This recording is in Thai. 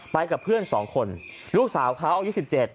ไปกับเพื่อน๒คนลูกสาวเขาอายุ๑๗